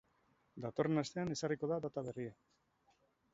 Datorren astean ezarriko da data berria.